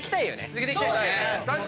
続けていきたいですね。